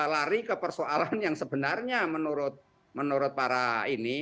lari ke persoalan yang sebenarnya menurut para ini